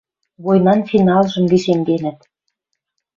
Войнан финалжым лишемденӹт.